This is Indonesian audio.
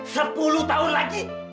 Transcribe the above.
sepuluh tahun lagi